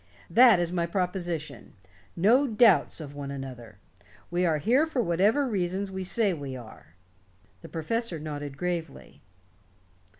That is my proposition. No doubts of one another. We are here for whatever reasons we say we are." The professor nodded gravely.